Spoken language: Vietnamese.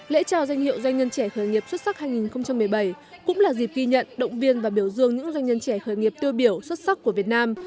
lễ trao danh hiệu doanh nhân trẻ khởi nghiệp xuất sắc hai nghìn một mươi bảy cũng là dịp ghi nhận động viên và biểu dương những doanh nhân trẻ khởi nghiệp tiêu biểu xuất sắc của việt nam